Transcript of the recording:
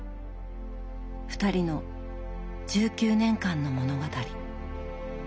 ２人の１９年間の物語。